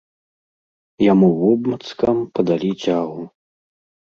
Яму вобмацкам падалі дзягу.